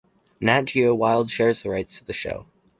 Nat Geo Wild shares the rights to the show.